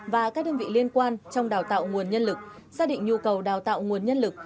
và các đơn vị liên quan trong đào tạo nguồn nhân lực xác định nhu cầu đào tạo nguồn nhân lực